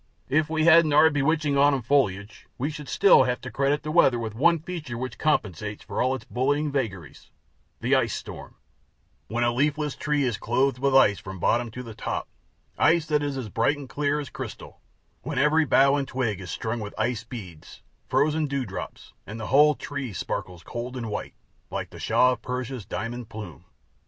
If we hadn't our bewitching autumn foliage, we should still have to credit the weather with one feature which compensates for all its bullying vagaries the ice storm: when a leafless tree is clothed with ice from the bottom to the top ice that is as bright and clear as crystal; when every bough and twig is strung with ice beads, frozen dewdrops, and the whole tree sparkles cold and white, like the Shah of Persia's diamond plume.